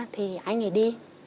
thì anh ấy đi